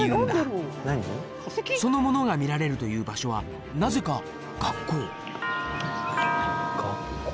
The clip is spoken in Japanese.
その物が見られるという場所はなぜか学校学校？